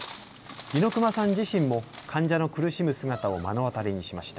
猪熊さん自身も患者の苦しむ姿を目の当たりにしました。